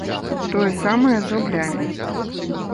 Тое самае з рублямі.